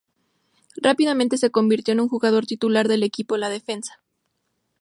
Rápidamente se convirtió en un jugador titular del equipo en la defensa.